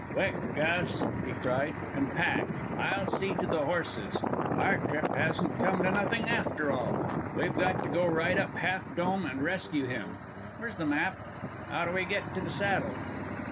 "Quick, Gus," he cried, "and pack! I'll see to the horses. Our trip hasn't come to nothing, after all. We've got to go right up Half Dome and rescue him. Where's the map? How do we get to the Saddle?"